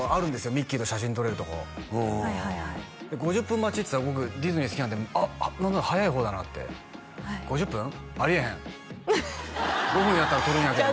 ミッキーと写真撮れるとこで５０分待ちっていったら僕ディズニー好きなんであっ何なら早い方だなって「５０分？あり得へん５分やったら撮るんやけど」